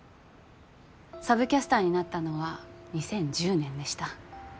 サブキャスターになったのは２０１０年でした。